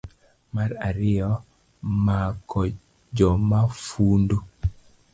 mar ariyo, mako jomafundu